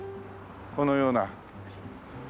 このような。